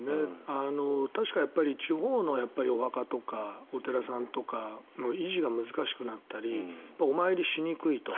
確かに地方のお墓とかお寺さんとかの維持が難しくなったりお参りしにくいと。